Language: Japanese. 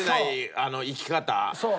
そう。